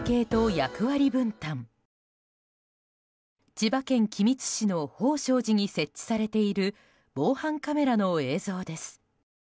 千葉県君津市の宝性寺に設置されている防犯カメラの映像です。